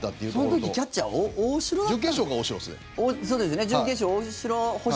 その時キャッチャー、大城だった。